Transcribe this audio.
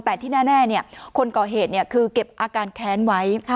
แต่ที่แน่คนก่อเหตุคือเก็บอาการแค้นไว้